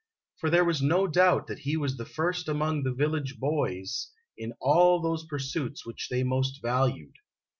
For there was no doubt that he was the first amon<j the village o o boys in all those pursuits which they most valued.